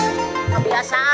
kemudian membar lindaga juga kita